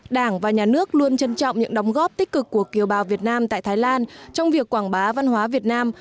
đảng và nhà nước luôn trân trọng những đóng góp tích cực của kiều bào việt nam tại thái lan trong việc quảng bá văn hóa việt nam